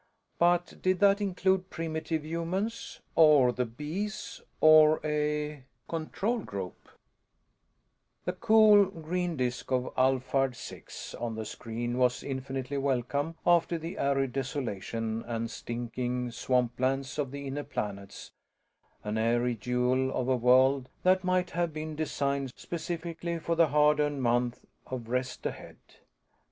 But did that include primitive humans? Or the Bees? Or a ..._ CONTROL GROUP By ROGER DEE The cool green disk of Alphard Six on the screen was infinitely welcome after the arid desolation and stinking swamplands of the inner planets, an airy jewel of a world that might have been designed specifically for the hard earned month of rest ahead.